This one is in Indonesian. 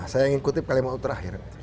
saya ingin kutip kalimau terakhir